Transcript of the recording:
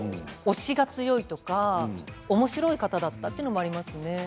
押しが強いとかおもしろい方だったというのがあります。